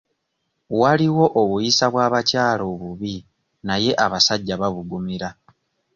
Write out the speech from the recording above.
Waliwo obuyisa bw'abakyala obubi naye abasajja babugumira.